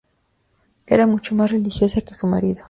Era mucho más religiosa que su marido.